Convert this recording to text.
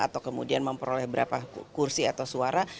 atau kemudian memperoleh berapa kursi atau suara